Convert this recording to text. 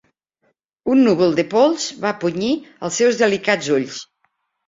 Un núvol de pols va punyir els seus delicats ulls.